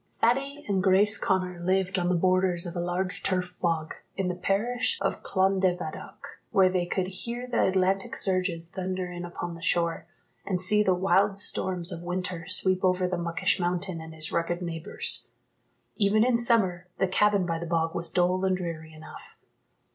Thady and Grace Connor lived on the borders of a large turf bog, in the parish of Clondevaddock, where they could hear the Atlantic surges thunder in upon the shore, and see the wild storms of winter sweep over the Muckish mountain, and his rugged neighbours. Even in summer the cabin by the bog was dull and dreary enough.